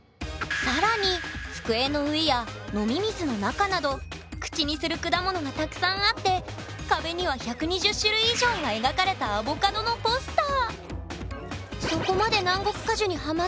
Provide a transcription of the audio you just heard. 更に机の上や飲み水の中など口にする果物がたくさんあって壁には１２０種類以上が描かれたアボカドのポスター。